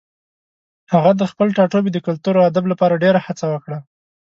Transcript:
هغه د خپل ټاټوبي د کلتور او ادب لپاره ډېره هڅه وکړه.